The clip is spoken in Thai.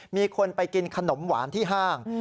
มีคนไปกินขนมหวานที่ห้าง